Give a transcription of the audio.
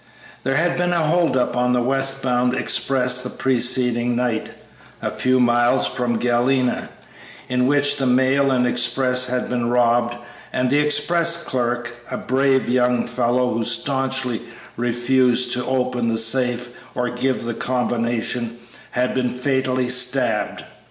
There had been a hold up on the west bound express the preceding night, a few miles from Galena, in which the mail and express had been robbed, and the express clerk, a brave young fellow who stanchly refused to open the safe or give the combination, had been fatally stabbed.